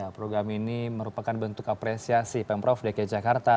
program ini merupakan bentuk apresiasi pemprov dki jakarta